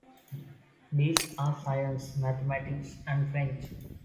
These are Science, Mathematics and French.